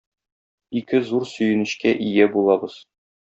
Ике зур сөенечкә ия булабыз.